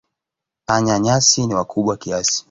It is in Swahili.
Panya-nyasi ni wakubwa kiasi.